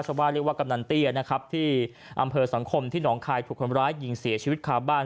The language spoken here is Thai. เรียกว่ากำนันเตี้ยนะครับที่อำเภอสังคมที่หนองคายถูกคนร้ายยิงเสียชีวิตคาบ้าน